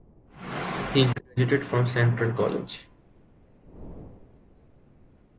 He graduated from Central College.